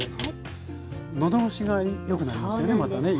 喉越しがよくなりますよね。